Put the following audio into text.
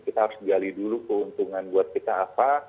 kita harus gali dulu keuntungan buat kita apa